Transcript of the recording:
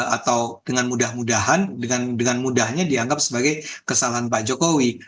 atau dengan mudah mudahan dengan mudahnya dianggap sebagai kesalahan pak jokowi